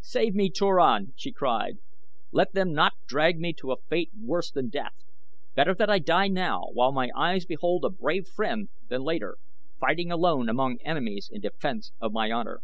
"Save me, Turan!" she cried. "Let them not drag me to a fate worse than death. Better that I die now while my eyes behold a brave friend than later, fighting alone among enemies in defense of my honor."